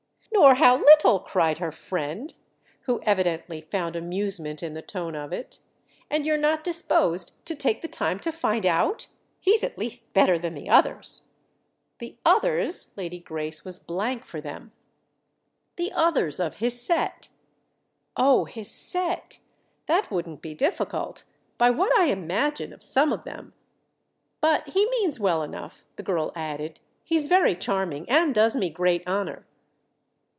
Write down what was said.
"Nor how little!" cried her friend, who evidently found amusement in the tone of it. "And you're not disposed to take the time to find out? He's at least better than the others." "The 'others'?"—Lady Grace was blank for them. "The others of his set." "Oh, his set! That wouldn't be difficult—by what I imagine of some of them. But he means well enough," the girl added; "he's very charming and does me great honour."